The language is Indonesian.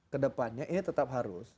ke depannya ini tetap harus